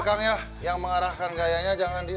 tidak masalah karena saya lelaki